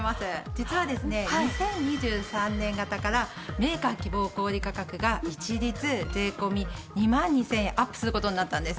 実はですね２０２３年型からメーカー希望小売価格が一律税込２万２０００円アップする事になったんです。